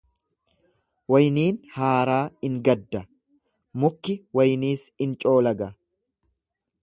Wayniin haaraa in gadda, mukki wayniis in coolaga.